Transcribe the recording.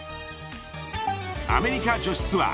アメリカ女子ツアー